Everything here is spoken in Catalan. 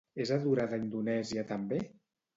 És adorada a Indonèsia també?